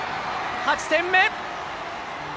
８点目！